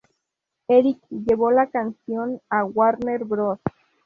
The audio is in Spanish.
Erik llevó la canción a Warner Bros.